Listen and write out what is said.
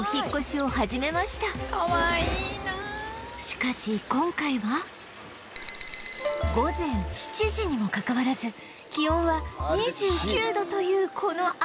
しかし今回は午前７時にもかかわらず気温は２９度というこの暑さの中